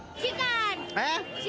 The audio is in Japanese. えっ？